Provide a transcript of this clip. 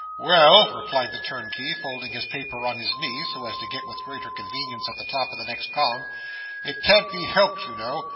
'Well!' replied the turnkey, folding his paper on his knee, so as to get with greater convenience at the top of the next column. 'It can't be helped you know.